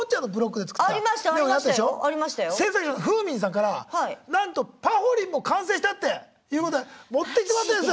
制作者のフーミンさんからなんとぱほりんも完成したっていうことで持ってきてもらってんです！